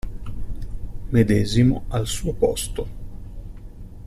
Medesimo al suo posto.